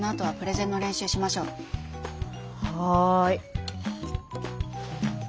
はい。